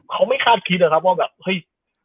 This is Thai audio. เขาไม่คาดคิดแบบเฮ้ย